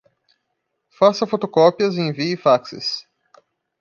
Faça fotocópias e envie faxes.